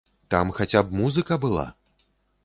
Там хаця б музыка была!